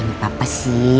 gak ada apa apa sih